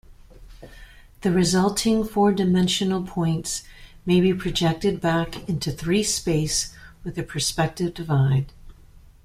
The resulting four-dimensional points may be projected back into three-space with a perspective divide.